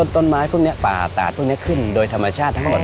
ต้นไม้พวกนี้ป่าตาดพวกนี้ขึ้นโดยธรรมชาติทั้งหมด